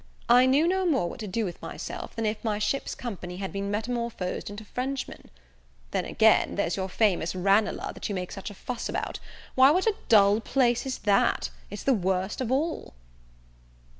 I knew no more what to do with myself, than if my ship's company had been metamorphosed into Frenchman. Then, again, there's your famous Ranelagh, that you make such a fuss about; why what a dull place is that! it's the worst of all."